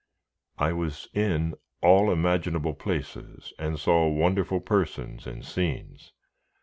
I was in all imaginable places, and saw wonderful persons and scenes.